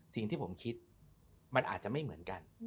สิ่งที่ผมคิดมันอาจจะไม่เหมือนกัน